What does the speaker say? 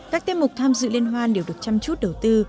các tiết mục tham dự liên hoan đều được chăm chút đầu tư